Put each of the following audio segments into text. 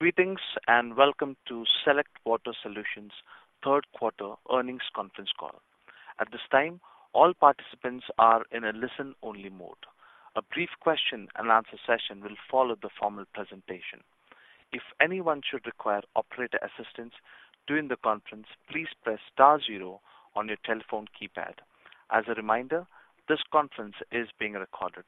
Greetings, and welcome to Select Water Solutions' third quarter earnings conference call. At this time, all participants are in a listen-only mode. A brief question-and-answer session will follow the formal presentation. If anyone should require operator assistance during the conference, please press star zero on your telephone keypad. As a reminder, this conference is being recorded.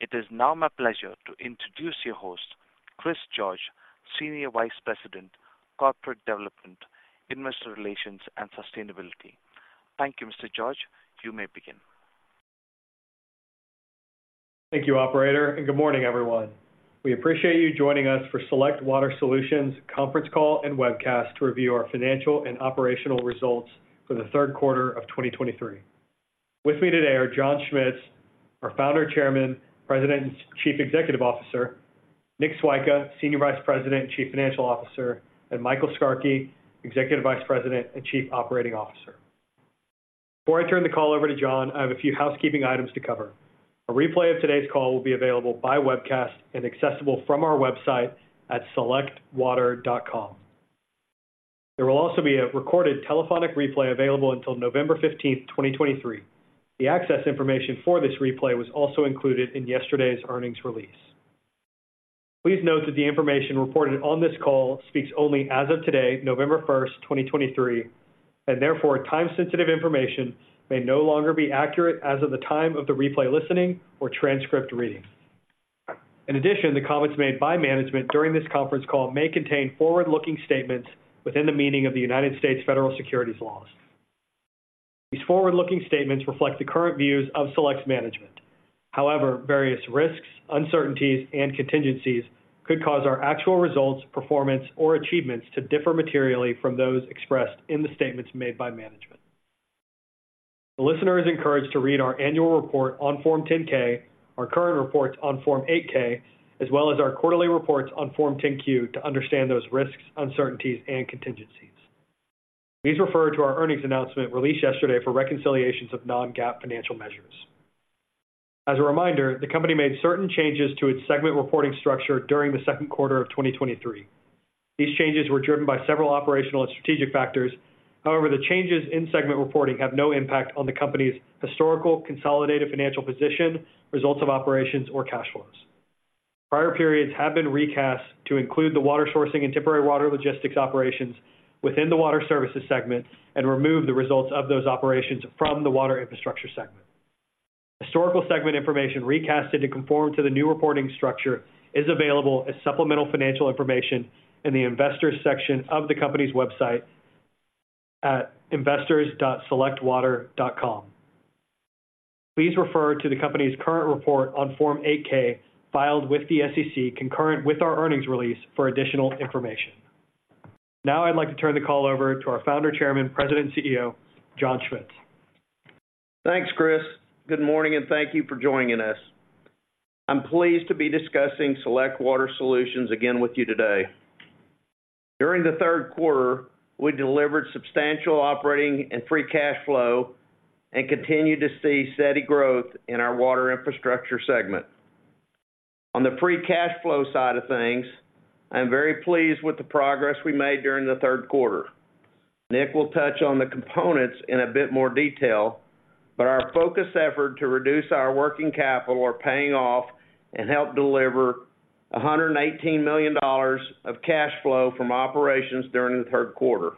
It is now my pleasure to introduce your host, Chris George, Senior Vice President, Corporate Development, Investor Relations, and Sustainability. Thank you, Mr. George. You may begin. Thank you, operator, and good morning, everyone. We appreciate you joining us for Select Water Solutions' conference call and webcast to review our financial and operational results for the third quarter of 2023. With me today are John Schmitz, our Founder, Chairman, President, and Chief Executive Officer; Nick Swyka, Senior Vice President and Chief Financial Officer; and Michael Skarke, Executive Vice President and Chief Operating Officer. Before I turn the call over to John, I have a few housekeeping items to cover. A replay of today's call will be available by webcast and accessible from our website at selectwater.com. There will also be a recorded telephonic replay available until November fifteenth, 2023. The access information for this replay was also included in yesterday's earnings release. Please note that the information reported on this call speaks only as of today, November 1, 2023, and therefore, time-sensitive information may no longer be accurate as of the time of the replay listening or transcript reading. In addition, the comments made by management during this conference call may contain forward-looking statements within the meaning of the United States federal securities laws. These forward-looking statements reflect the current views of Select's management. However, various risks, uncertainties, and contingencies could cause our actual results, performance, or achievements to differ materially from those expressed in the statements made by management. The listener is encouraged to read our annual report on Form 10-K, our current reports on Form 8-K, as well as our quarterly reports on Form 10-Q to understand those risks, uncertainties, and contingencies. Please refer to our earnings announcement released yesterday for reconciliations of non-GAAP financial measures. As a reminder, the company made certain changes to its segment reporting structure during the second quarter of 2023. These changes were driven by several operational and strategic factors. However, the changes in segment reporting have no impact on the company's historical consolidated financial position, results of operations, or cash flows. Prior periods have been recast to include the water sourcing and temporary water logistics operations within the water services segment and remove the results of those operations from the water infrastructure segment. Historical segment information recasted to conform to the new reporting structure is available as supplemental financial information in the investors section of the company's website at investors.selectwater.com. Please refer to the company's current report on Form 8-K, filed with the SEC, concurrent with our earnings release, for additional information. Now, I'd like to turn the call over to our founder, chairman, president, and CEO, John Schmitz. Thanks, Chris. Good morning, and thank you for joining us. I'm pleased to be discussing Select Water Solutions again with you today. During the third quarter, we delivered substantial operating and free cash flow and continued to see steady growth in our water infrastructure segment. On the free cash flow side of things, I'm very pleased with the progress we made during the third quarter. Nick will touch on the components in a bit more detail, but our focused effort to reduce our working capital are paying off and helped deliver $118 million of cash flow from operations during the third quarter.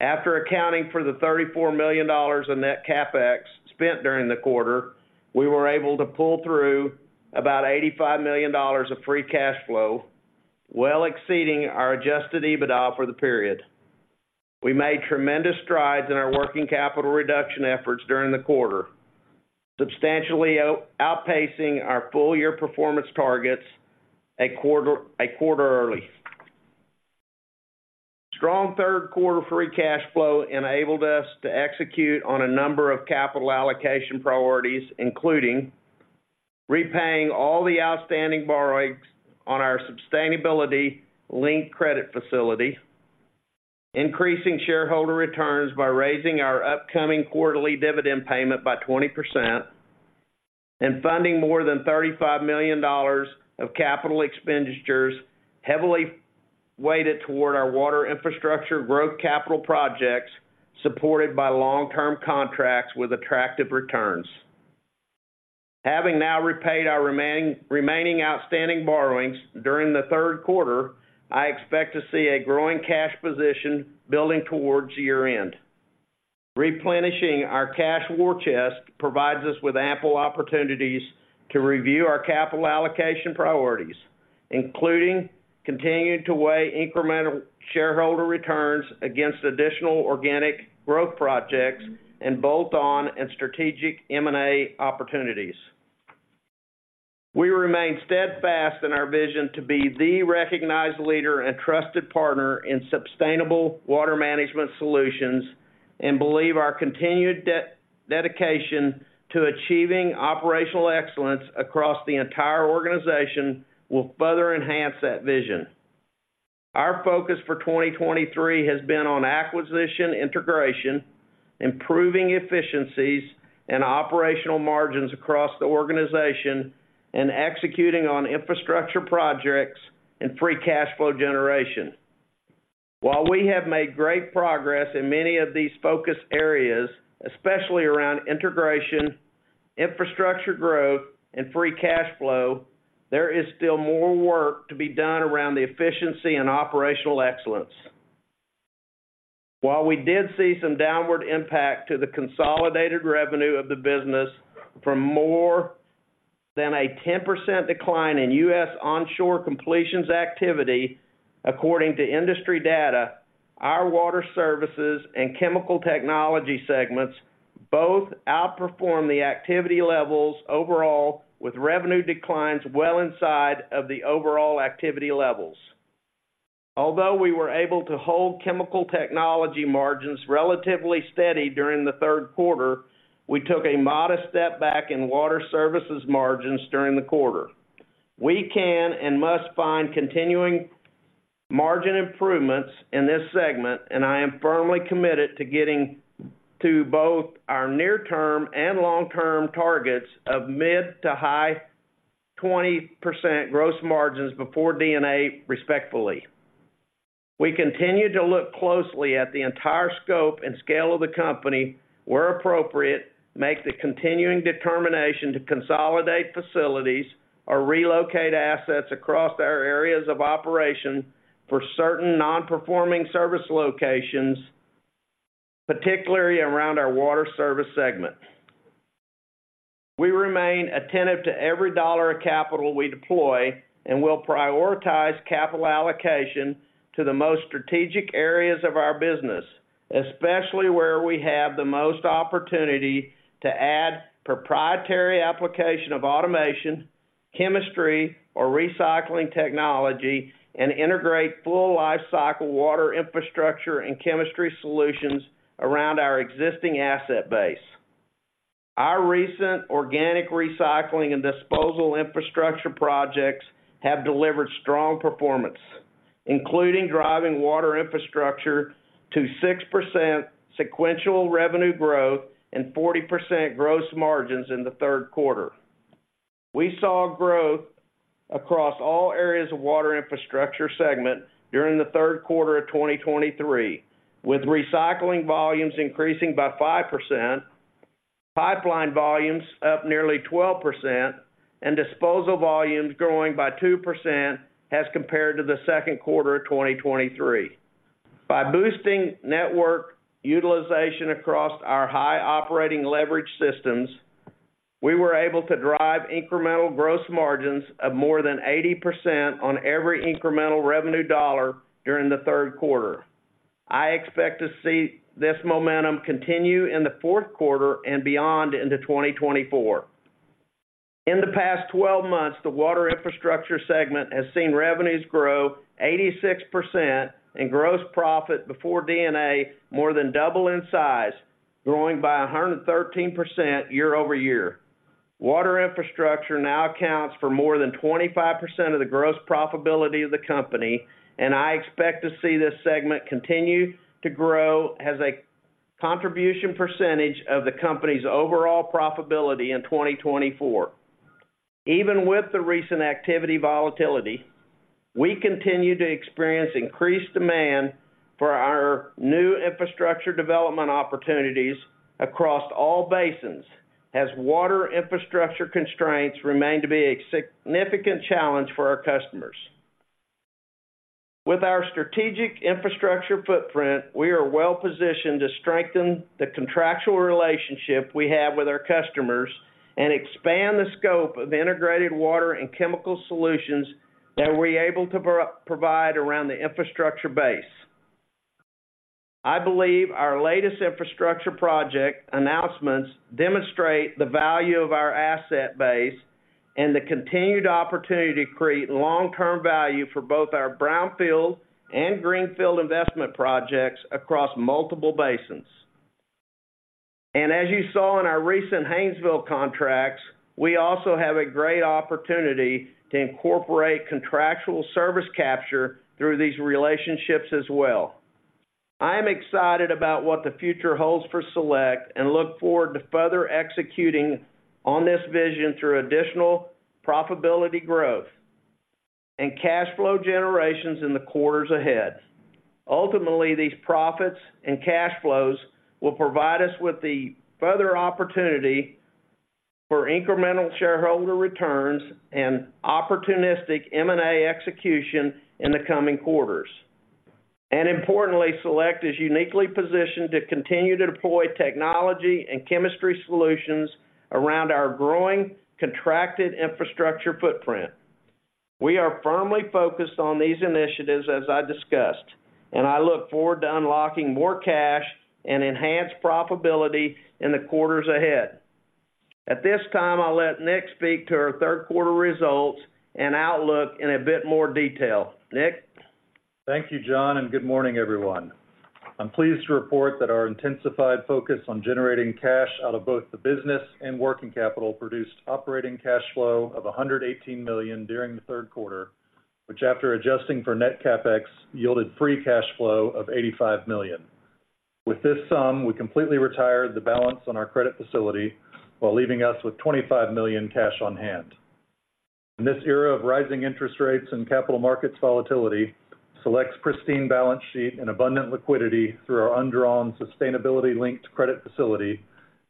After accounting for the $34 million in net CapEx spent during the quarter, we were able to pull through about $85 million of free cash flow, well exceeding our adjusted EBITDA for the period. We made tremendous strides in our working capital reduction efforts during the quarter, substantially outpacing our full-year performance targets a quarter early. Strong third quarter free cash flow enabled us to execute on a number of capital allocation priorities, including repaying all the outstanding borrowings on our Sustainability-Linked Credit Facility, increasing shareholder returns by raising our upcoming quarterly dividend payment by 20%, and funding more than $35 million of capital expenditures, heavily weighted toward our water infrastructure growth capital projects, supported by long-term contracts with attractive returns. Having now repaid our remaining outstanding borrowings during the third quarter, I expect to see a growing cash position building towards year-end. Replenishing our cash war chest provides us with ample opportunities to review our capital allocation priorities, including continuing to weigh incremental shareholder returns against additional organic growth projects and bolt-on and strategic M&A opportunities. We remain steadfast in our vision to be the recognized leader and trusted partner in sustainable water management solutions and believe our continued dedication to achieving operational excellence across the entire organization will further enhance that vision. Our focus for 2023 has been on acquisition integration, improving efficiencies and operational margins across the organization, and executing on infrastructure projects and free cash flow generation. While we have made great progress in many of these focus areas, especially around integration, infrastructure growth, and free cash flow, there is still more work to be done around the efficiency and operational excellence. While we did see some downward impact to the consolidated revenue of the business from more than a 10% decline in U.S. onshore completions activity, according to industry data, our water services and chemical technology segments both outperform the activity levels overall, with revenue declines well inside of the overall activity levels. Although we were able to hold chemical technology margins relatively steady during the third quarter, we took a modest step back in water services margins during the quarter. We can and must find continuing margin improvements in this segment, and I am firmly committed to getting to both our near-term and long-term targets of mid- to high-20% gross margins before D&A, respectfully. We continue to look closely at the entire scope and scale of the company, where appropriate, make the continuing determination to consolidate facilities or relocate assets across our areas of operation for certain non-performing service locations, particularly around our water service segment. We remain attentive to every dollar of capital we deploy, and we'll prioritize capital allocation to the most strategic areas of our business, especially where we have the most opportunity to add proprietary application of automation, chemistry, or recycling technology, and integrate full lifecycle water infrastructure and chemistry solutions around our existing asset base. Our recent organic recycling and disposal infrastructure projects have delivered strong performance, including driving water infrastructure to 6% sequential revenue growth and 40% gross margins in the third quarter. We saw growth across all areas of water infrastructure segment during the third quarter of 2023, with recycling volumes increasing by 5%, pipeline volumes up nearly 12%, and disposal volumes growing by 2% as compared to the second quarter of 2023. By boosting network utilization across our high operating leverage systems, we were able to drive incremental gross margins of more than 80% on every incremental revenue dollar during the third quarter. I expect to see this momentum continue in the fourth quarter and beyond into 2024. In the past 12 months, the water infrastructure segment has seen revenues grow 86% and gross profit before D&A more than double in size, growing by 113% year-over-year. Water infrastructure now accounts for more than 25% of the gross profitability of the company, and I expect to see this segment continue to grow as a contribution percentage of the company's overall profitability in 2024. Even with the recent activity volatility, we continue to experience increased demand for our new infrastructure development opportunities across all basins, as water infrastructure constraints remain to be a significant challenge for our customers. With our strategic infrastructure footprint, we are well positioned to strengthen the contractual relationship we have with our customers and expand the scope of integrated water and chemical solutions that we're able to provide around the infrastructure base. I believe our latest infrastructure project announcements demonstrate the value of our asset base and the continued opportunity to create long-term value for both our brownfield and greenfield investment projects across multiple basins. As you saw in our recent Haynesville contracts, we also have a great opportunity to incorporate contractual service capture through these relationships as well. I am excited about what the future holds for Select and look forward to further executing on this vision through additional profitability growth and cash flow generations in the quarters ahead. Ultimately, these profits and cash flows will provide us with the further opportunity for incremental shareholder returns and opportunistic M&A execution in the coming quarters. And importantly, Select is uniquely positioned to continue to deploy technology and chemistry solutions around our growing contracted infrastructure footprint. We are firmly focused on these initiatives, as I discussed, and I look forward to unlocking more cash and enhanced profitability in the quarters ahead. At this time, I'll let Nick speak to our third quarter results and outlook in a bit more detail. Nick? Thank you, John, and good morning, everyone. I'm pleased to report that our intensified focus on generating cash out of both the business and working capital produced operating cash flow of $118 million during the third quarter, which after adjusting for net CapEx, yielded free cash flow of $85 million. With this sum, we completely retired the balance on our credit facility, while leaving us with $25 million cash on hand. In this era of rising interest rates and capital markets volatility, Select's pristine balance sheet and abundant liquidity through our undrawn Sustainability-Linked Credit Facility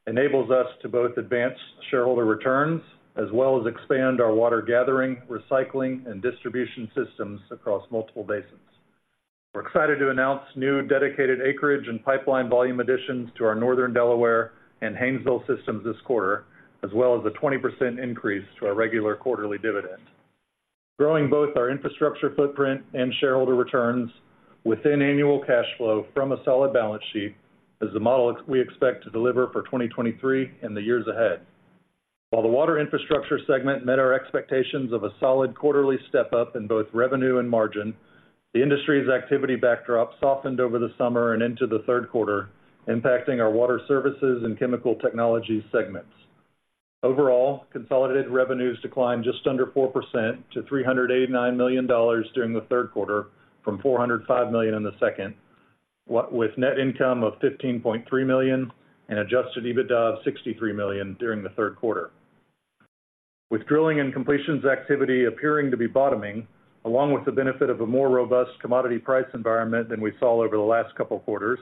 enables us to both advance shareholder returns, as well as expand our water gathering, recycling, and distribution systems across multiple basins. We're excited to announce new dedicated acreage and pipeline volume additions to our Northern Delaware and Haynesville systems this quarter, as well as a 20% increase to our regular quarterly dividend. Growing both our infrastructure footprint and shareholder returns within annual cash flow from a solid balance sheet, is the model we expect to deliver for 2023 and the years ahead. While the water infrastructure segment met our expectations of a solid quarterly step-up in both revenue and margin, the industry's activity backdrop softened over the summer and into the third quarter, impacting our water services and chemical technology segments. Overall, consolidated revenues declined just under 4% to $389 million during the third quarter, from $405 million in the second. With net income of $15.3 million and adjusted EBITDA of $63 million during the third quarter. With drilling and completions activity appearing to be bottoming, along with the benefit of a more robust commodity price environment than we saw over the last couple of quarters,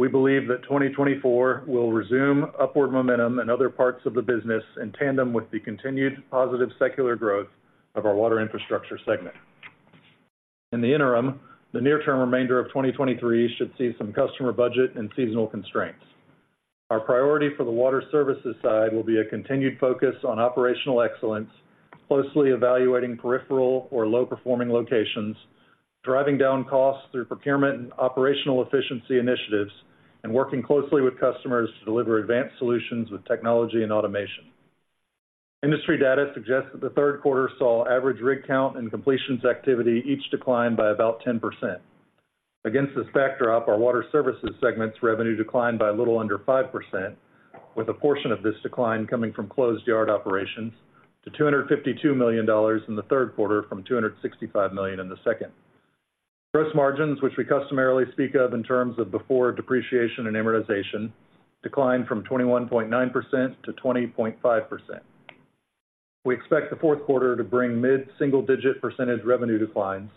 we believe that 2024 will resume upward momentum in other parts of the business, in tandem with the continued positive secular growth of our Water Infrastructure segment. In the interim, the near-term remainder of 2023 should see some customer budget and seasonal constraints. Our priority for the Water Services side will be a continued focus on operational excellence, closely evaluating peripheral or low-performing locations, driving down costs through procurement and operational efficiency initiatives, and working closely with customers to deliver advanced solutions with technology and automation. Industry data suggests that the third quarter saw average rig count and completions activity, each decline by about 10%. Against this backdrop, our water services segment's revenue declined by a little under 5%, with a portion of this decline coming from closed yard operations, to $252 million in the third quarter from $265 million in the second. Gross margins, which we customarily speak of in terms of before depreciation and amortization, declined from 21.9% to 20.5%. We expect the fourth quarter to bring mid-single-digit percentage revenue declines,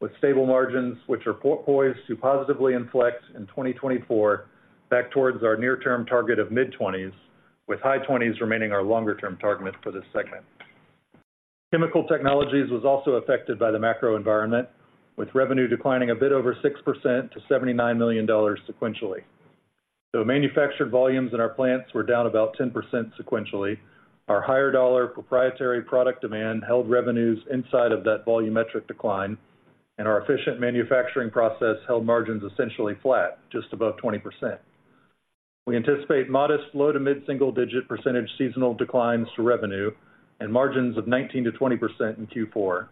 with stable margins, which are poised to positively inflect in 2024 back towards our near-term target of mid-twenties, with high twenties remaining our longer-term target for this segment. Chemical technologies was also affected by the macro environment, with revenue declining a bit over 6% to $79 million sequentially. Though manufactured volumes in our plants were down about 10% sequentially, our higher dollar proprietary product demand held revenues inside of that volumetric decline, and our efficient manufacturing process held margins essentially flat, just above 20%. We anticipate modest low- to mid-single-digit percentage seasonal declines to revenue and margins of 19%-20% in Q4,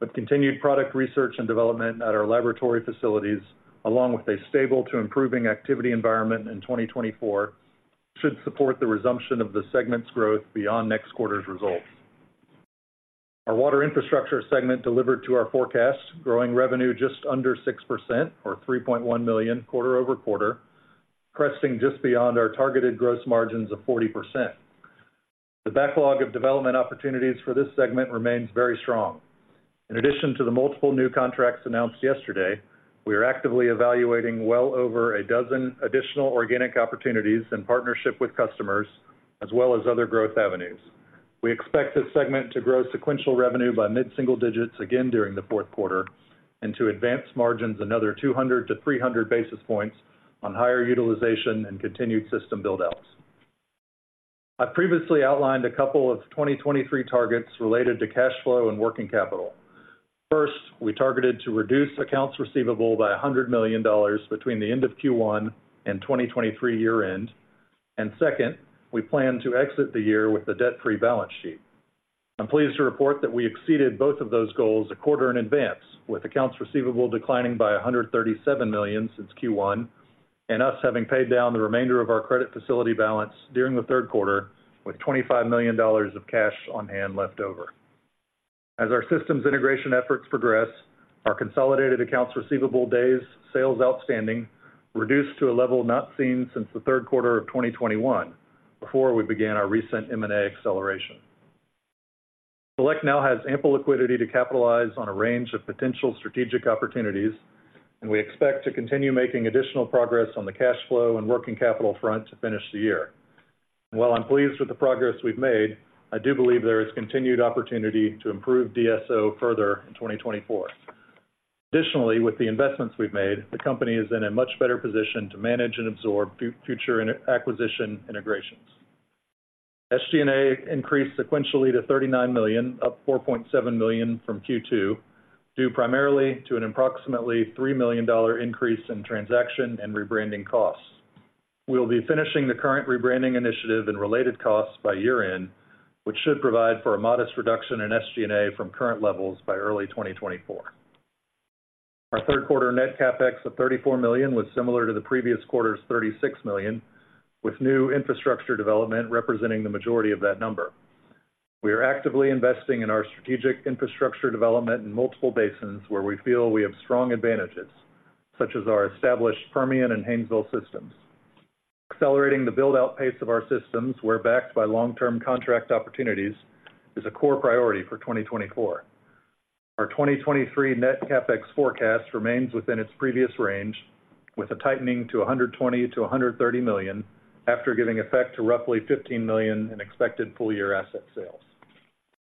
but continued product research and development at our laboratory facilities, along with a stable to improving activity environment in 2024, should support the resumption of the segment's growth beyond next quarter's results. Our water infrastructure segment delivered to our forecast, growing revenue just under 6% or $3.1 million quarter-over-quarter, pressing just beyond our targeted gross margins of 40%. The backlog of development opportunities for this segment remains very strong. In addition to the multiple new contracts announced yesterday, we are actively evaluating well over a dozen additional organic opportunities in partnership with customers, as well as other growth avenues. We expect this segment to grow sequential revenue by mid-single digits again during the fourth quarter, and to advance margins another 200-300 basis points on higher utilization and continued system build-outs. I previously outlined a couple of 2023 targets related to cash flow and working capital. First, we targeted to reduce accounts receivable by $100 million between the end of Q1 and 2023 year-end. Second, we plan to exit the year with a debt-free balance sheet. I'm pleased to report that we exceeded both of those goals a quarter in advance, with accounts receivable declining by $137 million since Q1, and us having paid down the remainder of our credit facility balance during the third quarter, with $25 million of cash on hand left over. As our systems integration efforts progress, our consolidated accounts receivable days sales outstanding reduced to a level not seen since the third quarter of 2021, before we began our recent M&A acceleration. Select now has ample liquidity to capitalize on a range of potential strategic opportunities, and we expect to continue making additional progress on the cash flow and working capital front to finish the year. While I'm pleased with the progress we've made, I do believe there is continued opportunity to improve DSO further in 2024. Additionally, with the investments we've made, the company is in a much better position to manage and absorb future acquisition integrations. SG&A increased sequentially to $39 million, up $4.7 million from Q2, due primarily to an approximately $3 million increase in transaction and rebranding costs. We will be finishing the current rebranding initiative and related costs by year-end, which should provide for a modest reduction in SG&A from current levels by early 2024. Our third quarter net CapEx of $34 million was similar to the previous quarter's $36 million, with new infrastructure development representing the majority of that number. We are actively investing in our strategic infrastructure development in multiple basins, where we feel we have strong advantages, such as our established Permian and Haynesville systems. Accelerating the build-out pace of our systems, where backed by long-term contract opportunities, is a core priority for 2024. Our 2023 net CapEx forecast remains within its previous range, with a tightening to $120 million-$130 million after giving effect to roughly $15 million in expected full-year asset sales.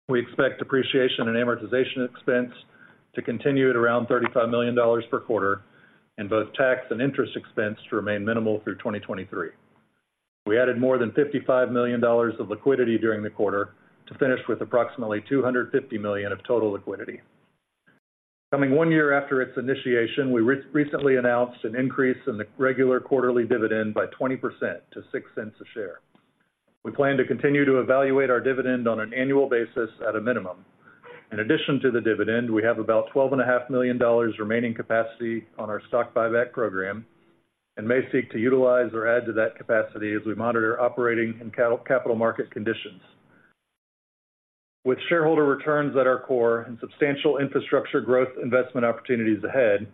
We expect depreciation and amortization expense to continue at around $35 million per quarter, and both tax and interest expense to remain minimal through 2023. We added more than $55 million of liquidity during the quarter to finish with approximately 250 million of total liquidity. Coming one year after its initiation, we recently announced an increase in the regular quarterly dividend by 20% to $0.06 a share. We plan to continue to evaluate our dividend on an annual basis at a minimum. In addition to the dividend, we have about $12.5 million remaining capacity on our stock buyback program and may seek to utilize or add to that capacity as we monitor operating and capital market conditions. With shareholder returns at our core and substantial infrastructure growth investment opportunities ahead,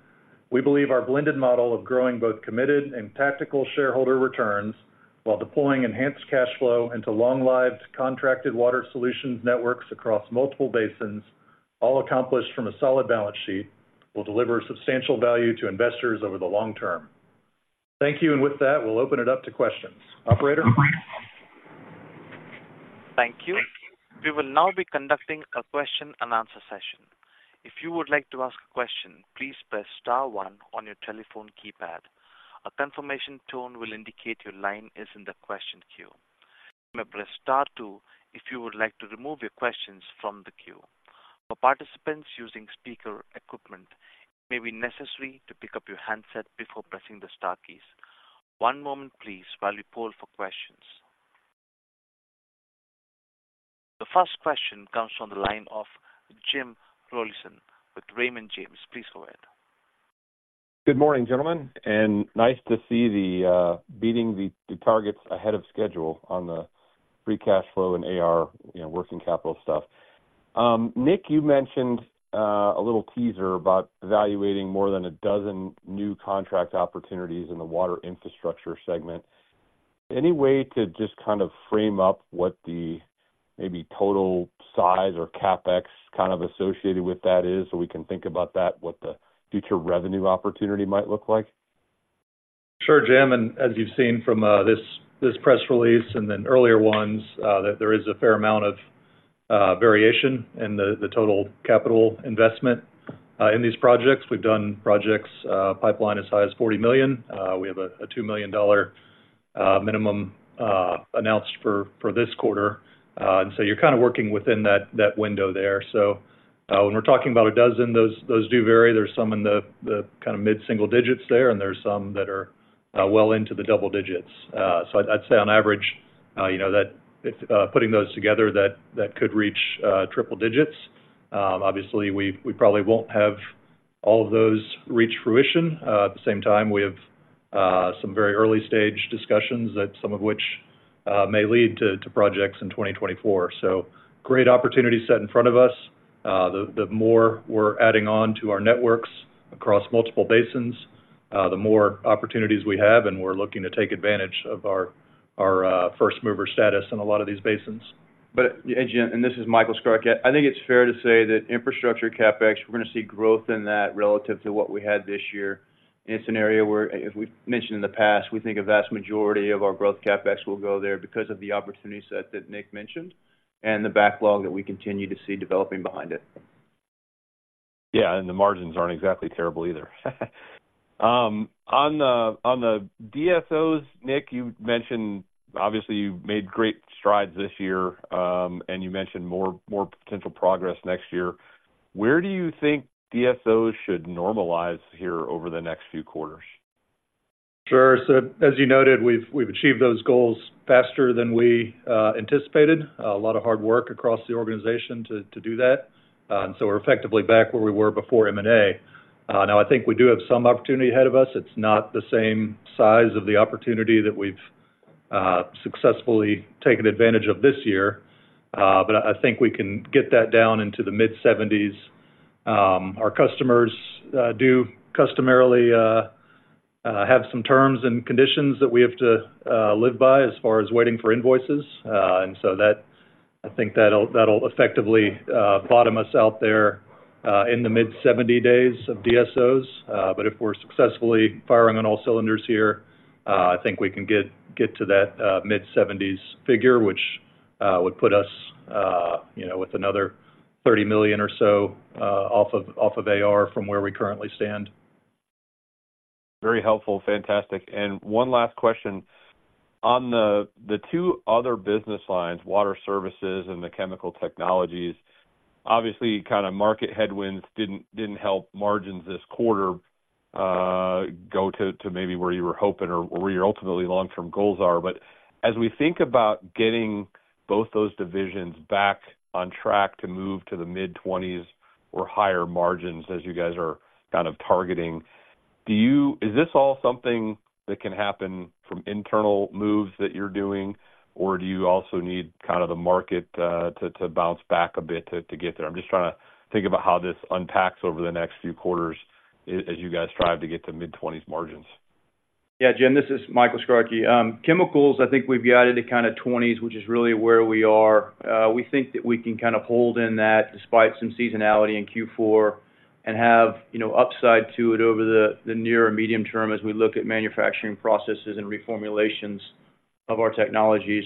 we believe our blended model of growing both committed and tactical shareholder returns while deploying enhanced cash flow into long-lived, contracted water solutions networks across multiple basins, all accomplished from a solid balance sheet, will deliver substantial value to investors over the long term. Thank you, and with that, we'll open it up to questions. Operator? Thank you. We will now be conducting a question-and-answer session. If you would like to ask a question, please press star one on your telephone keypad. A confirmation tone will indicate your line is in the question queue. You may press star two if you would like to remove your questions from the queue. For participants using speaker equipment, it may be necessary to pick up your handset before pressing the star keys. One moment, please, while we poll for questions. The first question comes from the line of Jim Rollyson with Raymond James. Please go ahead. Good morning, gentlemen, and nice to see beating the targets ahead of schedule on the free cash flow and AR, you know, working capital stuff. Nick, you mentioned a little teaser about evaluating more than a dozen new contract opportunities in the water infrastructure segment. Any way to just kind of frame up what the maybe total size or CapEx kind of associated with that is, so we can think about that, what the future revenue opportunity might look like? Sure, Jim. And as you've seen from this press release and then earlier ones, that there is a fair amount of variation in the total capital investment in these projects. We've done projects, pipeline as high as $40 million. We have a $2 million minimum announced for this quarter. And so you're kind of working within that window there. So, when we're talking about a dozen, those do vary. There's some in the kind of mid-single digits there, and there's some that are well into the double digits. So I'd say on average, you know, that if putting those together, that could reach triple digits. Obviously, we probably won't have all of those reach fruition. At the same time, we have some very early-stage discussions that some of which may lead to projects in 2024. So great opportunity set in front of us. The more we're adding on to our networks across multiple basins, the more opportunities we have, and we're looking to take advantage of our first-mover status in a lot of these basins. Jim, this is Michael Skarke. I think it's fair to say that infrastructure CapEx, we're going to see growth in that relative to what we had this year. It's an area where, as we've mentioned in the past, we think a vast majority of our growth CapEx will go there because of the opportunity set that Nick mentioned and the backlog that we continue to see developing behind it. Yeah, and the margins aren't exactly terrible either. On the, on the DSOs, Nick, you mentioned... Obviously, you've made great strides this year, and you mentioned more, more potential progress next year. Where do you think DSOs should normalize here over the next few quarters? Sure. So, as you noted, we've achieved those goals faster than we anticipated. A lot of hard work across the organization to do that. And so we're effectively back where we were before M&A. Now, I think we do have some opportunity ahead of us. It's not the same size of the opportunity that we've successfully taken advantage of this year, but I think we can get that down into the mid-seventies. Our customers do customarily have some terms and conditions that we have to live by as far as waiting for invoices. And so that - I think that'll effectively bottom us out there in the mid-seventy days of DSOs. But if we're successfully firing on all cylinders here, I think we can get to that mid-70s figure, which would put us, you know, with another $30 million or so off of AR from where we currently stand. Very helpful. Fantastic. And one last question. On the two other business lines, water services and the chemical technologies, obviously, kind of market headwinds didn't help margins this quarter go to maybe where you were hoping or where your ultimately long-term goals are. But as we think about getting both those divisions back on track to move to the mid-20s or higher margins as you guys are kind of targeting, do you-Is this all something that can happen from internal moves that you're doing? Or do you also need kind of the market to bounce back a bit to get there? I'm just trying to think about how this unpacks over the next few quarters as you guys strive to get to mid-20s margins. Yeah, Jim, this is Michael Skarke. Chemicals, I think we've guided to kinda 20s, which is really where we are. We think that we can kind of hold in that despite some seasonality in Q4 and have, you know, upside to it over the near and medium term as we look at manufacturing processes and reformulations of our technologies.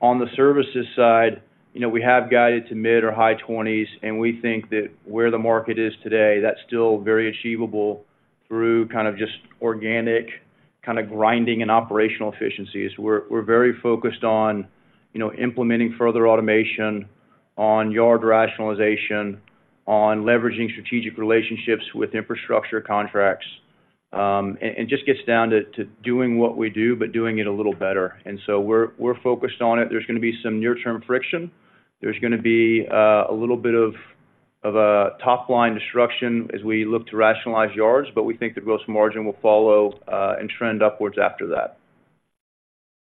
On the services side, you know, we have guided to mid- or high 20s, and we think that where the market is today, that's still very achievable through kind of just organic, kind of grinding and operational efficiencies. We're very focused on, you know, implementing further automation on yard rationalization, on leveraging strategic relationships with infrastructure contracts. And just gets down to doing what we do, but doing it a little better. And so we're focused on it. There's gonna be some near-term friction. There's gonna be a little bit of a top-line disruption as we look to rationalize yards, but we think the gross margin will follow and trend upwards after that.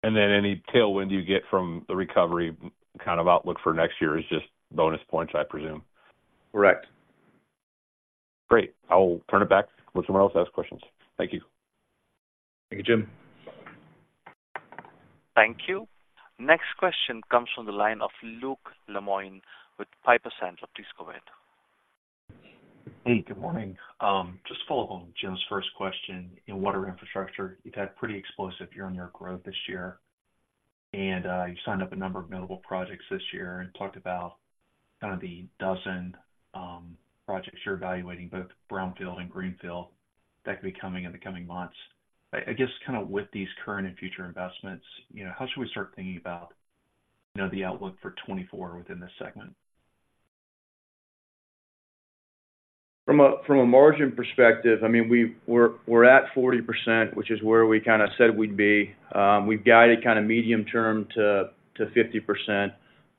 And then any tailwind you get from the recovery kind of outlook for next year is just bonus points, I presume? Correct. Great. I'll turn it back. Let someone else ask questions. Thank you. Thank you, Jim. Thank you. Next question comes from the line of Luke Lemoine with Piper Sandler. Please, go ahead. Hey, good morning. Just to follow up on Jim's first question. In Water Infrastructure, you've had pretty explosive year-on-year growth this year, and you signed up a number of notable projects this year and talked about kind of the dozen projects you're evaluating, both brownfield and greenfield, that could be coming in the coming months. I guess kind of with these current and future investments, you know, how should we start thinking about, you know, the outlook for 2024 within this segment? From a margin perspective, I mean, we're at 40%, which is where we kinda said we'd be. We've guided kind of medium term to 50%.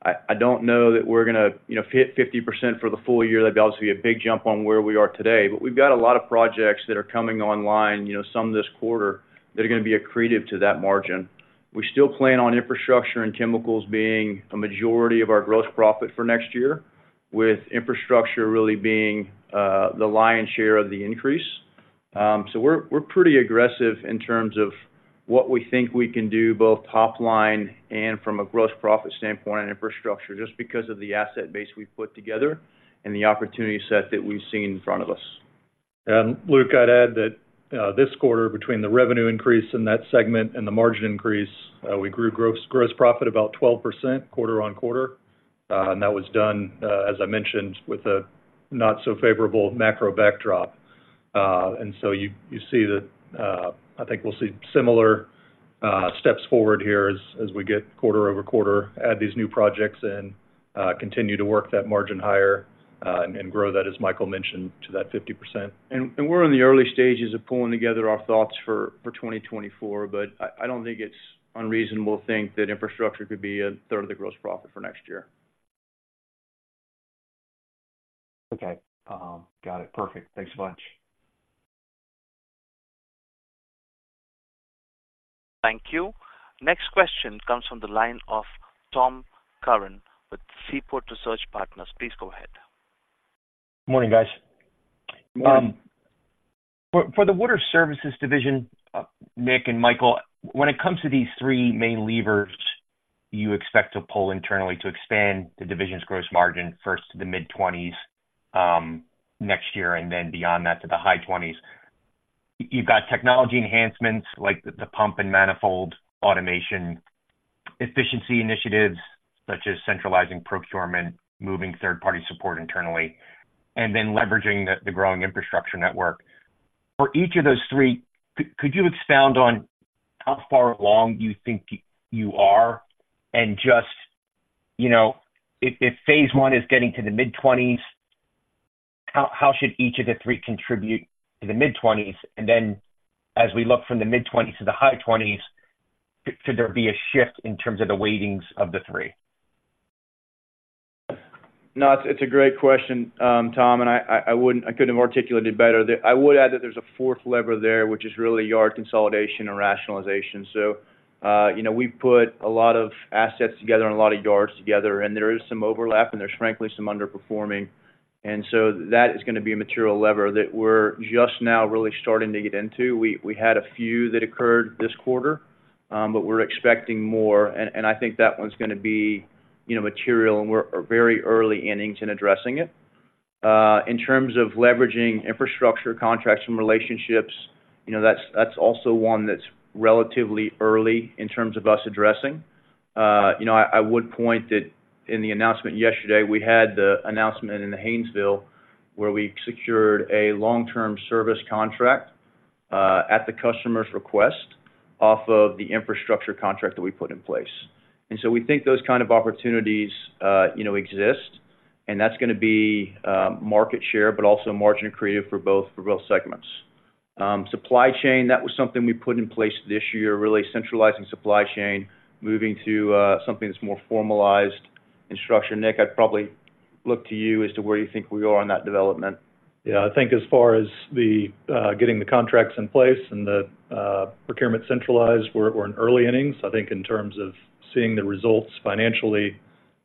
I don't know that we're gonna, you know, hit 50% for the full year. That'd be obviously a big jump on where we are today. But we've got a lot of projects that are coming online, you know, some this quarter, that are gonna be accretive to that margin. We still plan on infrastructure and chemicals being a majority of our gross profit for next year, with infrastructure really being the lion's share of the increase. So we're pretty aggressive in terms of what we think we can do, both top line and from a gross profit standpoint on infrastructure, just because of the asset base we've put together and the opportunity set that we've seen in front of us. And Luke, I'd add that this quarter, between the revenue increase in that segment and the margin increase, we grew gross profit about 12% quarter-over-quarter. And that was done, as I mentioned, with a not so favorable macro backdrop. And so you see that. I think we'll see similar steps forward here as we get quarter-over-quarter, add these new projects in, continue to work that margin higher, and grow that, as Michael mentioned, to that 50%. We're in the early stages of pulling together our thoughts for 2024, but I don't think it's unreasonable to think that infrastructure could be a third of the gross profit for next year. Okay. Got it. Perfect. Thanks a bunch. Thank you. Next question comes from the line of Tom Curran with Seaport Research Partners. Please go ahead. Morning, guys. Morning. For the water services division, Nick and Michael, when it comes to these three main levers you expect to pull internally to expand the division's gross margin, first to the mid-20s percent, next year, and then beyond that, to the high 20s percent. You've got technology enhancements like the pump and manifold automation, efficiency initiatives, such as centralizing procurement, moving third-party support internally, and then leveraging the growing infrastructure network. For each of those three, could you expound on how far along you think you are? And just, you know, if phase one is getting to the mid-20s percent, how should each of the three contribute to the mid-20s percent? And then as we look from the mid-20s percent to the high 20s percent, should there be a shift in terms of the weightings of the three? No, it's a great question, Tom, and I wouldn't—I couldn't have articulated it better. I would add that there's a fourth lever there, which is really yard consolidation and rationalization. So, you know, we've put a lot of assets together and a lot of yards together, and there is some overlap, and there's, frankly, some underperforming. And so that is gonna be a material lever that we're just now really starting to get into. We had a few that occurred this quarter, but we're expecting more. And I think that one's gonna be, you know, material, and we're very early innings in addressing it. In terms of leveraging infrastructure, contracts, and relationships, you know, that's also one that's relatively early in terms of us addressing.... You know, I would point that in the announcement yesterday, we had the announcement in the Haynesville, where we secured a long-term service contract, at the customer's request, off of the infrastructure contract that we put in place. And so we think those kind of opportunities, you know, exist, and that's gonna be, market share, but also margin accretive for both, for both segments. Supply chain, that was something we put in place this year, really centralizing supply chain, moving to, something that's more formalized in structure. Nick, I'd probably look to you as to where you think we are on that development. Yeah, I think as far as the getting the contracts in place and the procurement centralized, we're, we're in early innings. I think in terms of seeing the results financially,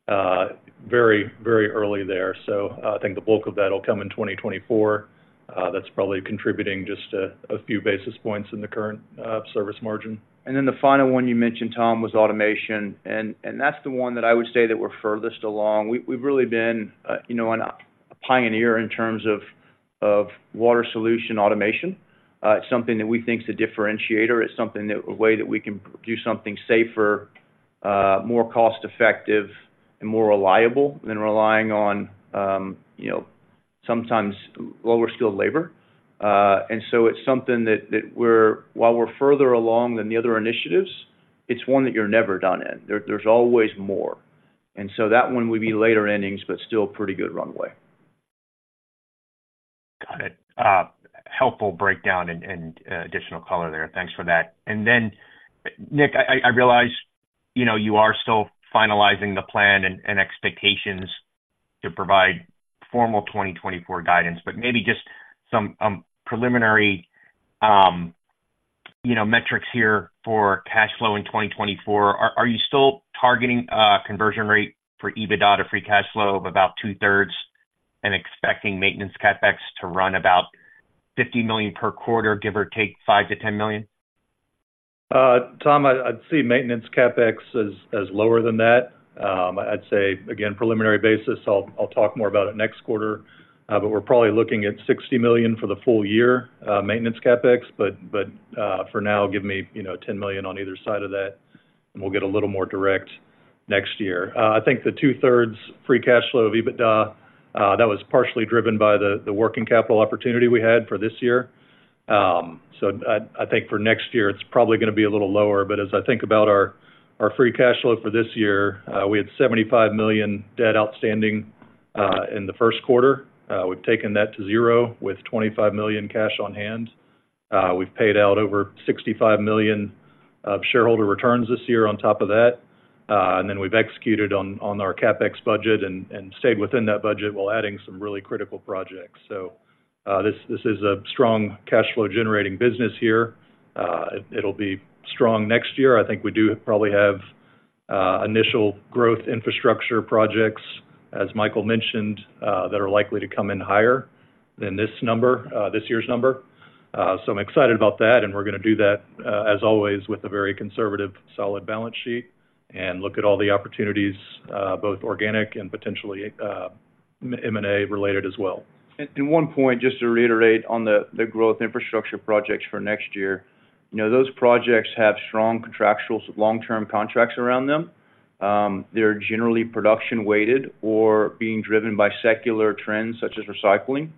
very, very early there. So I think the bulk of that will come in 2024. That's probably contributing just a, a few basis points in the current service margin. And then the final one you mentioned, Tom, was automation, and that's the one that I would say that we're furthest along. We've really been, you know, a pioneer in terms of water solution automation. It's something that we think is a differentiator. It's something that a way that we can do something safer, more cost-effective, and more reliable than relying on, you know, sometimes lower-skilled labor. And so it's something that we're while we're further along than the other initiatives, it's one that you're never done in. There's always more. And so that one would be later innings, but still pretty good runway. Got it. Helpful breakdown and additional color there. Thanks for that. And then, Nick, I realize, you know, you are still finalizing the plan and expectations to provide formal 2024 guidance, but maybe just some preliminary, you know, metrics here for cash flow in 2024. Are you still targeting a conversion rate for EBITDA to free cash flow of about two-thirds and expecting maintenance CapEx to run about $50 million per quarter, give or take $5 million-$10 million? Tom, I'd see maintenance CapEx as lower than that. I'd say, again, preliminary basis, I'll talk more about it next quarter, but we're probably looking at $60 million for the full year, maintenance CapEx. But for now, give me, you know, $10 million on either side of that, and we'll get a little more direct next year. I think the two-thirds free cash flow of EBITDA, that was partially driven by the working capital opportunity we had for this year. So I think for next year, it's probably gonna be a little lower, but as I think about our free cash flow for this year, we had $75 million debt outstanding in the first quarter. We've taken that to zero with $25 million cash on hand. We've paid out over $65 million of shareholder returns this year on top of that. And then we've executed on our CapEx budget and stayed within that budget while adding some really critical projects. So, this is a strong cash flow generating business here. It'll be strong next year. I think we do probably have initial growth infrastructure projects, as Michael mentioned, that are likely to come in higher than this number, this year's number. So I'm excited about that, and we're gonna do that, as always, with a very conservative, solid balance sheet and look at all the opportunities, both organic and potentially M&A related as well. One point, just to reiterate on the growth infrastructure projects for next year. You know, those projects have strong contractuals, long-term contracts around them. They're generally production weighted or being driven by secular trends such as recycling.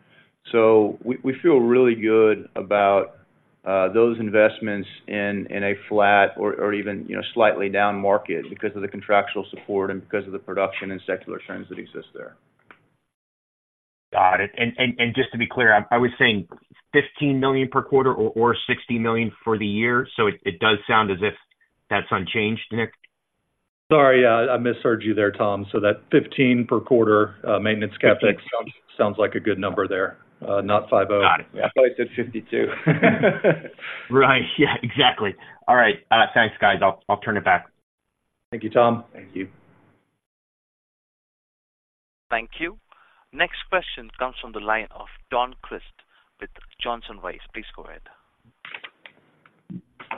So we feel really good about those investments in a flat or even, you know, slightly down market because of the contractual support and because of the production and secular trends that exist there. Got it. And just to be clear, I was saying $15 million per quarter or $60 million for the year, so it does sound as if that's unchanged, Nick? Sorry, I misheard you there, Tom. So that 15 per quarter, maintenance CapEx- Okay Sounds like a good number there. Not 50. Got it. I thought he said 52. Right. Yeah, exactly. All right. Thanks, guys. I'll turn it back. Thank you, Tom. Thank you. Thank you. Next question comes from the line of Don Crist with Johnson Rice. Please go ahead.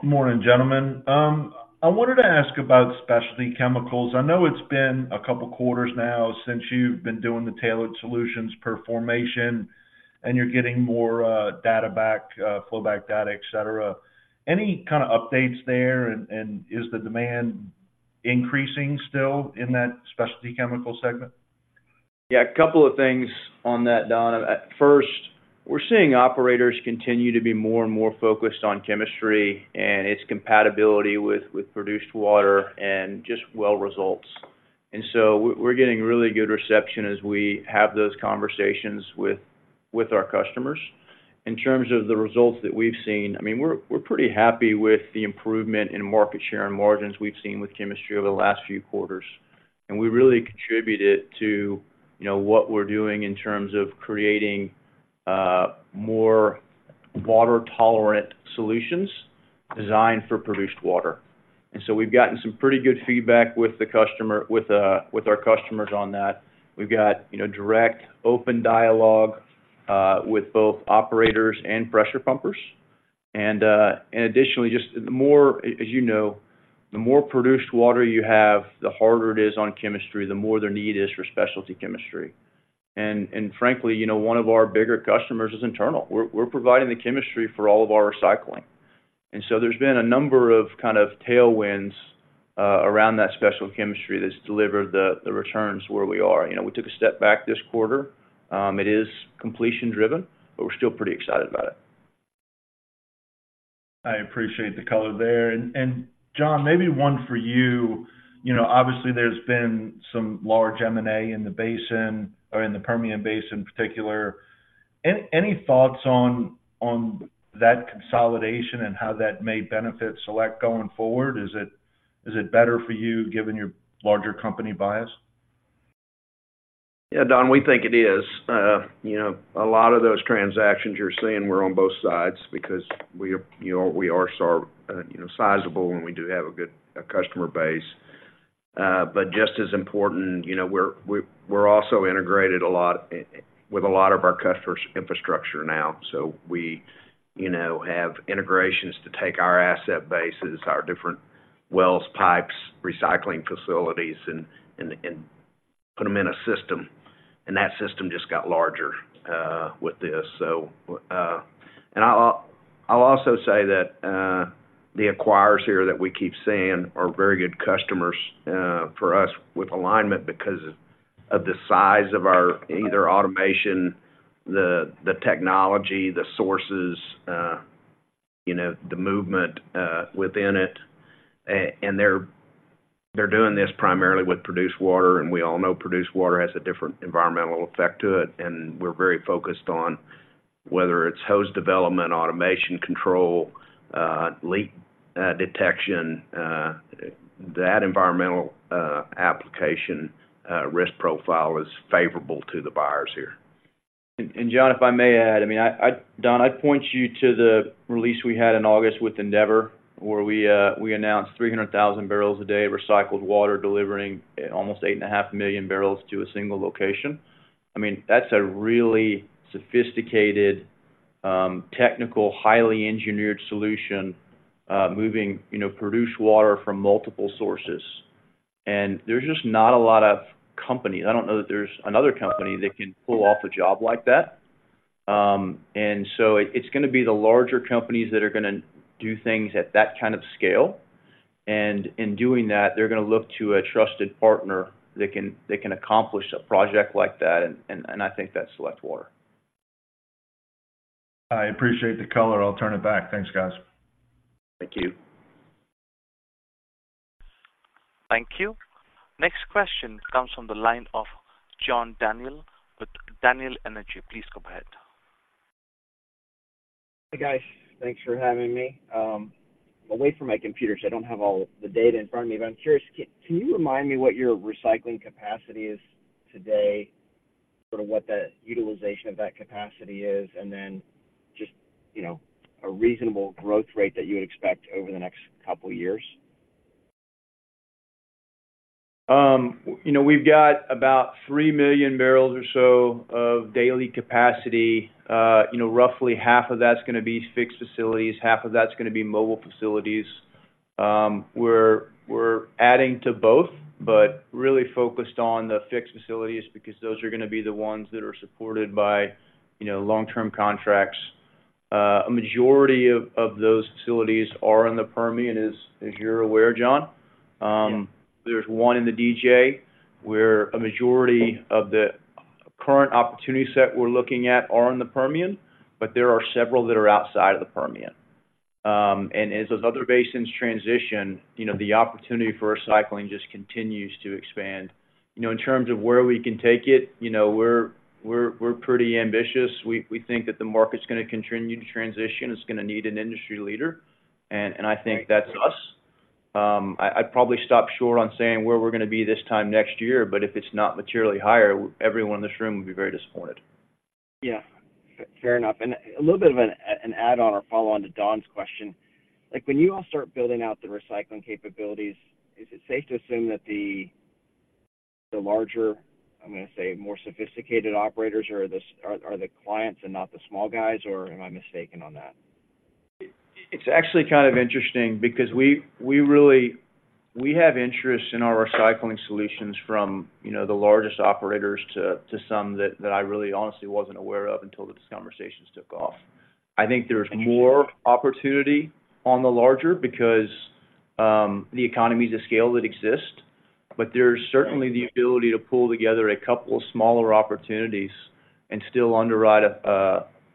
Morning, gentlemen. I wanted to ask about specialty chemicals. I know it's been a couple quarters now since you've been doing the tailored solutions per formation, and you're getting more, data back, flowback data, et cetera. Any kind of updates there, and, and is the demand increasing still in that specialty chemical segment? Yeah, a couple of things on that, Don. First, we're seeing operators continue to be more and more focused on chemistry and its compatibility with produced water and just well results. And so we're getting really good reception as we have those conversations with our customers. In terms of the results that we've seen, I mean, we're pretty happy with the improvement in market share and margins we've seen with chemistry over the last few quarters. And we really contribute it to, you know, what we're doing in terms of creating more water-tolerant solutions designed for produced water. And so we've gotten some pretty good feedback with the customer, with our customers on that. We've got, you know, direct, open dialogue with both operators and pressure pumpers. And additionally, just the more... As you know, the more produced water you have, the harder it is on chemistry, the more the need is for specialty chemistry. And frankly, you know, one of our bigger customers is internal. We're providing the chemistry for all of our recycling. And so there's been a number of kind of tailwinds around that special chemistry that's delivered the returns where we are. You know, we took a step back this quarter. It is completion driven, but we're still pretty excited about it. I appreciate the color there. And John, maybe one for you. You know, obviously, there's been some large M&A in the basin or in the Permian Basin, in particular. Any thoughts on that consolidation and how that may benefit Select going forward? Is it better for you, given your larger company bias? Yeah, Don, we think it is. You know, a lot of those transactions you're seeing were on both sides because we are, you know, we are sort of, you know, sizable, and we do have a good customer base. But just as important, you know, we're also integrated a lot, with a lot of our customers' infrastructure now. So we, you know, have integrations to take our asset bases, our different wells, pipes, recycling facilities, and put them in a system, and that system just got larger, with this. So, and I'll also say that, the acquirers here that we keep seeing are very good customers, for us with alignment because of the size of our either automation, the technology, the sources, you know, the movement, within it. They're doing this primarily with produced water, and we all know produced water has a different environmental effect to it, and we're very focused on whether it's hose development, automation control, leak detection. That environmental application risk profile is favorable to the buyers here. John, if I may add, I mean, Don, I'd point you to the release we had in August with Endeavor, where we announced 300,000 barrels a day of recycled water, delivering almost 8.5 million barrels to a single location. I mean, that's a really sophisticated technical, highly engineered solution, moving, you know, produced water from multiple sources. And there's just not a lot of companies. I don't know that there's another company that can pull off a job like that. And so it, it's gonna be the larger companies that are gonna do things at that kind of scale. And in doing that, they're gonna look to a trusted partner that can, that can accomplish a project like that, and I think that's Select Water. I appreciate the color. I'll turn it back. Thanks, guys. Thank you. Thank you. Next question comes from the line of John Daniel with Daniel Energy. Please go ahead. Hey, guys. Thanks for having me. Away from my computer, so I don't have all the data in front of me, but I'm curious, can you remind me what your recycling capacity is today, sort of what the utilization of that capacity is, and then just, you know, a reasonable growth rate that you would expect over the next couple of years? You know, we've got about 3 million barrels or so of daily capacity. You know, roughly half of that's gonna be fixed facilities, half of that's gonna be mobile facilities. We're adding to both, but really focused on the fixed facilities because those are gonna be the ones that are supported by, you know, long-term contracts. A majority of those facilities are in the Permian, as you're aware, John. Yeah. There's one in the DJ, where a majority of the current opportunity set we're looking at are in the Permian, but there are several that are outside of the Permian. And as those other basins transition, you know, the opportunity for recycling just continues to expand. You know, in terms of where we can take it, you know, we're pretty ambitious. We think that the market's gonna continue to transition. It's gonna need an industry leader, and I think that's us. I'd probably stop short on saying where we're gonna be this time next year, but if it's not materially higher, everyone in this room will be very disappointed. Yeah, fair enough. And a little bit of an add-on or follow-on to Don's question: Like, when you all start building out the recycling capabilities, is it safe to assume that the larger, I'm gonna say, more sophisticated operators are the clients and not the small guys, or am I mistaken on that? It's actually kind of interesting because we really have interest in our recycling solutions from, you know, the largest operators to some that I really honestly wasn't aware of until these conversations took off. I think there's more opportunity on the larger because the economies of scale that exist, but there's certainly the ability to pull together a couple of smaller opportunities and still underwrite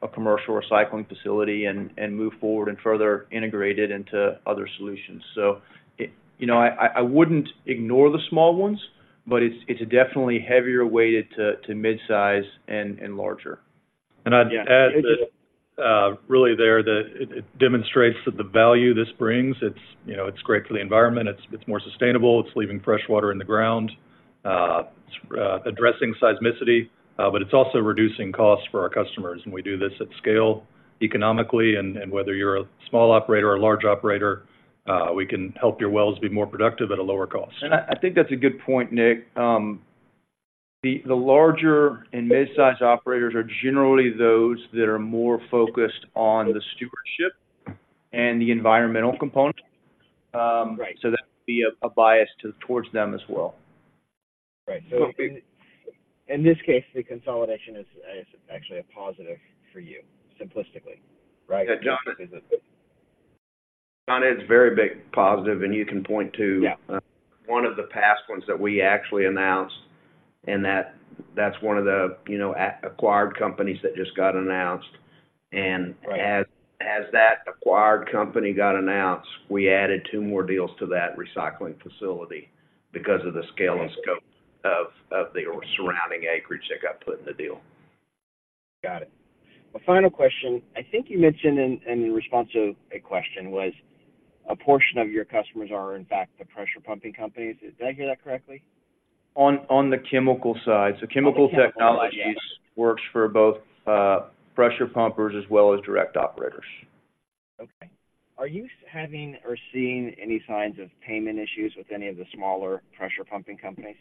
a commercial recycling facility and move forward and further integrate it into other solutions. So, you know, I wouldn't ignore the small ones, but it's definitely heavier weighted to midsize and larger. I'd add that it demonstrates the value this brings. It's, you know, it's great for the environment, it's more sustainable, it's leaving fresh water in the ground, it's addressing seismicity, but it's also reducing costs for our customers, and we do this at scale economically. And whether you're a small operator or a large operator, we can help your wells be more productive at a lower cost. I think that's a good point, Nick. The larger and mid-size operators are generally those that are more focused on the stewardship... and the environmental component. Right. So that would be a bias towards them as well. Right. So in this case, the consolidation is actually a positive for you, simplistically, right? Yeah, John, John, it's a very big positive, and you can point to- Yeah one of the past ones that we actually announced, and that, that's one of the, you know, acquired companies that just got announced. And- Right As that acquired company got announced, we added two more deals to that recycling facility because of the scale and scope of the surrounding acreage that got put in the deal. Got it. A final question. I think you mentioned in your response to a question, was a portion of your customers are, in fact, the pressure pumping companies. Did I hear that correctly? On the chemical side. On the chemical side, yeah. So Chemical Technologies works for both, pressure pumpers as well as direct operators. Okay. Are you having or seeing any signs of payment issues with any of the smaller pressure pumping companies?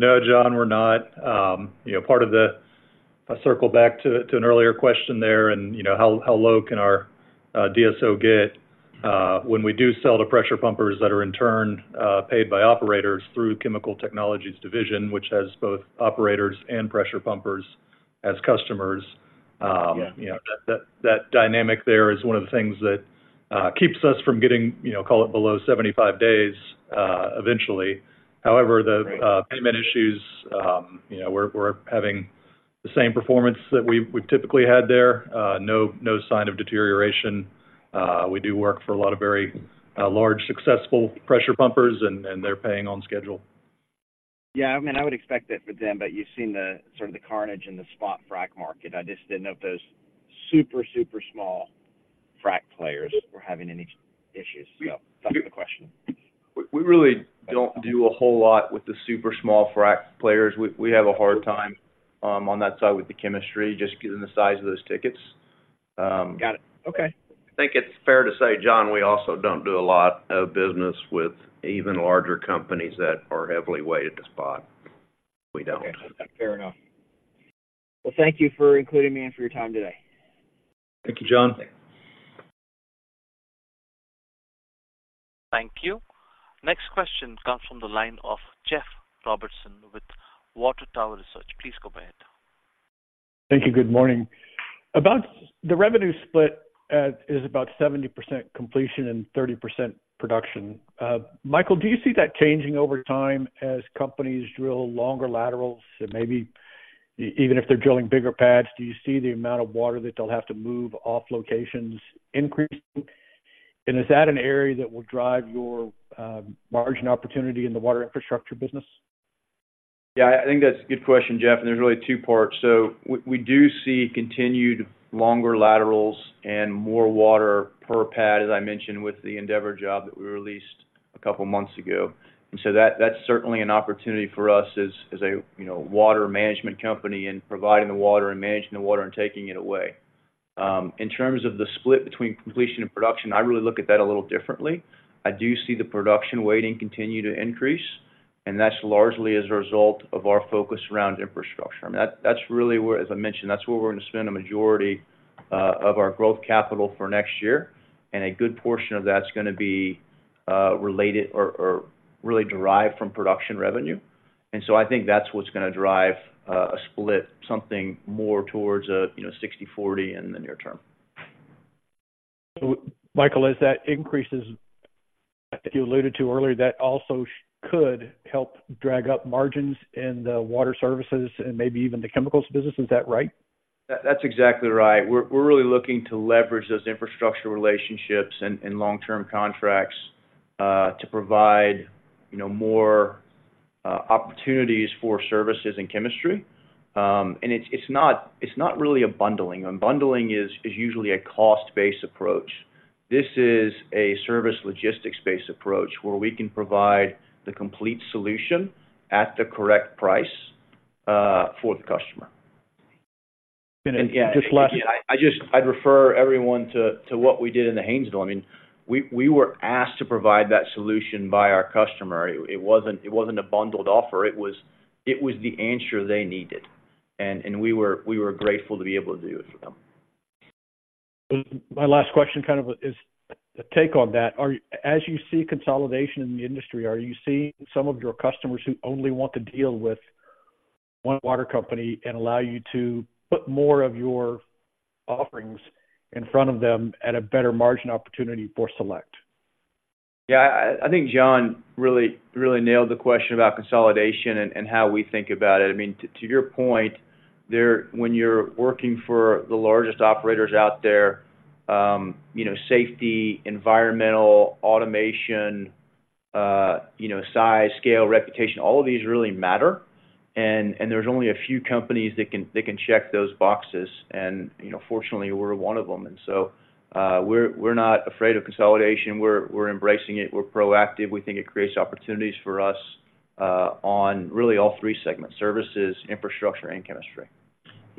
No, John, we're not. You know, part of the... I'll circle back to an earlier question there, and you know, how low can our DSO get, when we do sell to pressure pumpers that are in turn paid by operators through Chemical Technologies division, which has both operators and pressure pumpers as customers. Yeah You know, that dynamic there is one of the things that keeps us from getting, you know, call it below 75 days, eventually. However, the- Right Payment issues, you know, we're having the same performance that we've typically had there. No sign of deterioration. We do work for a lot of very large, successful pressure pumpers, and they're paying on schedule. Yeah, I mean, I would expect that for them, but you've seen the sort of carnage in the spot frac market. I just didn't know if those super, super small frac players were having any issues. So that's the question. We really don't do a whole lot with the super small frac players. We have a hard time on that side with the chemistry, just given the size of those tickets. Got it. Okay. I think it's fair to say, John, we also don't do a lot of business with even larger companies that are heavily weighted to spot. We don't. Fair enough. Well, thank you for including me and for your time today. Thank you, John. Thank you. Next question comes from the line of Jeff Robertson with Water Tower Research. Please go ahead. Thank you. Good morning. About the revenue split is about 70% completion and 30% production. Michael, do you see that changing over time as companies drill longer laterals, and maybe even if they're drilling bigger pads, do you see the amount of water that they'll have to move off locations increasing? And is that an area that will drive your margin opportunity in the water infrastructure business? Yeah, I think that's a good question, Jeff, and there's really two parts. So we do see continued longer laterals and more water per pad, as I mentioned with the Endeavor job that we released a couple months ago. And so that's certainly an opportunity for us as a, you know, water management company in providing the water and managing the water and taking it away. In terms of the split between completion and production, I really look at that a little differently. I do see the production weighting continue to increase, and that's largely as a result of our focus around infrastructure. I mean, that's really where... As I mentioned, that's where we're going to spend a majority of our growth capital for next year, and a good portion of that's gonna be related or really derived from production revenue. I think that's what's gonna drive a split, something more towards a, you know, 60/40 in the near term. So Michael, as that increases, I think you alluded to earlier, that also could help drag up margins in the water services and maybe even the chemicals business. Is that right? That, that's exactly right. We're, we're really looking to leverage those infrastructure relationships and, and long-term contracts, to provide, you know, more, opportunities for services and chemistry. And it's, it's not, it's not really a bundling. A bundling is, is usually a cost-based approach. This is a service logistics-based approach, where we can provide the complete solution at the correct price, for the customer. And just last- I'd refer everyone to what we did in the Haynesville. I mean, we were asked to provide that solution by our customer. It wasn't a bundled offer. It was the answer they needed, and we were grateful to be able to do it for them. My last question kind of is a take on that. As you see consolidation in the industry, are you seeing some of your customers who only want to deal with one water company and allow you to put more of your offerings in front of them at a better margin opportunity for Select? Yeah, I think John really nailed the question about consolidation and how we think about it. I mean, to your point, when you're working for the largest operators out there, you know, safety, environmental, automation, you know, size, scale, reputation, all of these really matter, and there's only a few companies that can check those boxes. And, you know, fortunately, we're one of them. And so, we're not afraid of consolidation. We're embracing it. We're proactive. We think it creates opportunities for us, on really all three segments: services, infrastructure, and chemistry.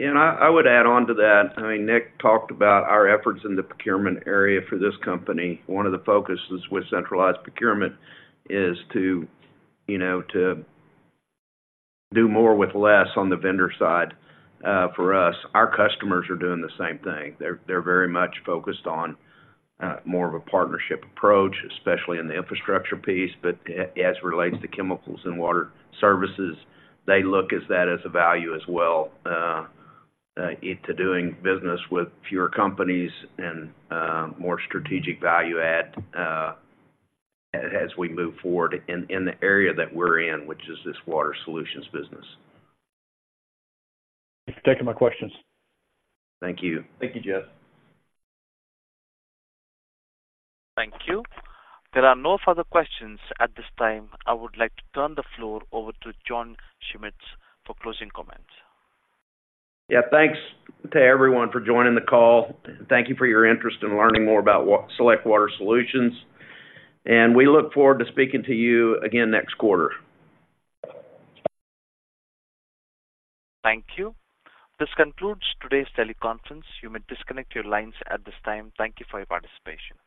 Yeah, and I would add on to that. I mean, Nick talked about our efforts in the procurement area for this company. One of the focuses with centralized procurement is to, you know, to do more with less on the vendor side for us. Our customers are doing the same thing. They're very much focused on more of a partnership approach, especially in the infrastructure piece. But as it relates to chemicals and water services, they look at that as a value as well into doing business with fewer companies and more strategic value add as we move forward in the area that we're in, which is this water solutions business. Thank you for taking my questions. Thank you. Thank you, Jeff. Thank you. There are no further questions at this time. I would like to turn the floor over to John Schmitz for closing comments. Yeah, thanks to everyone for joining the call. Thank you for your interest in learning more about Select Water Solutions, and we look forward to speaking to you again next quarter. Thank you. This concludes today's teleconference. You may disconnect your lines at this time. Thank you for your participation.